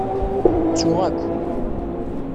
Ttuɣ akk.